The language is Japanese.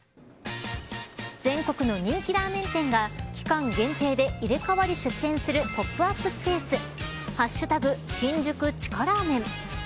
全国の人気ラーメン店が期間限定で入れ替わり出店するポップアップスペース＃新宿地下ラーメン。